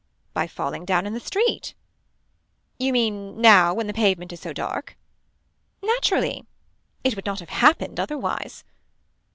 By falling down in the street. You mean now when the pavement is so dark. Naturally. It would not have happened otherwise.